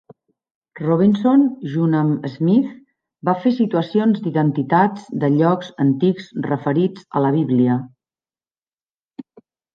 Robinson, junt amb Smith, va fer situacions d'identitats de llocs antics referits a la Bíblia.